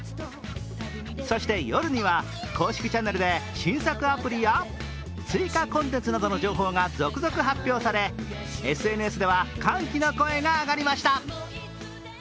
そして夜には公式チャンネルで新作アプリや追加コンテンツなどの情報が続々発表されＳＮＳでは歓喜の声が上がりました。